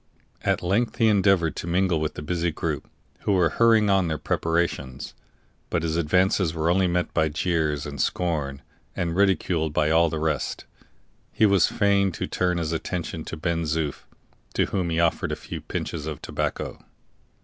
At length he endeavored to mingle with the busy group, who were hurrying on their preparations; but his advances were only met by jeers and scorn, and, ridiculed by all the rest, he was fain to turn his attention to Ben Zoof, to whom he offered a few pinches of tobacco.